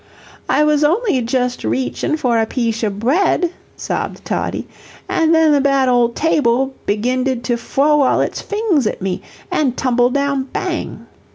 "I was only djust reatchin for a pieshe of bwed," sobbed Toddie, "an' then the bad old tabo beginded to froe all its fings at me, an' tumble down bang."